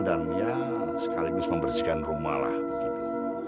dan ya sekaligus membersihkan rumah lah begitu